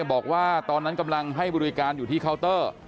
บอกว่าตอนนั้นกำลังให้บริการอยู่ที่เคาน์เตอร์